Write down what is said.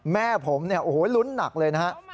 แม่ผมโอ้โฮลุ้นหนักเลยนะครับ